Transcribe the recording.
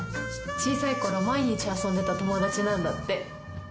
小さい頃毎日遊んでた友達なんだって。